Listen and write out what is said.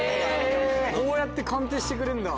こうやって鑑定してくれるんだ。